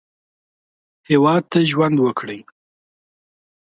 هېواد ته ژوند وکړئ